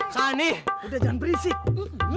sani udah jangan berisik